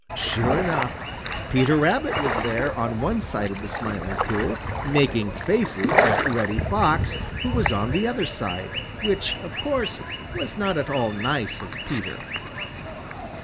Sure enough, Peter Rabbit was there on one side of the Smiling Pool, making faces at Reddy Fox, who was on the other side, which, of course, was not at all nice of Peter.